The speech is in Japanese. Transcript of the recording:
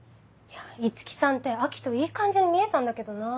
五木さんって亜季といい感じに見えたんだけどなぁ。